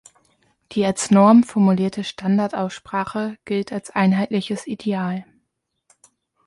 Die als Norm formulierte Standardaussprache gilt als einheitliches Ideal.